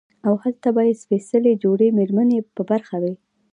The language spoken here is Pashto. او هلته به ئې سپېڅلې جوړې ميرمنې په برخه وي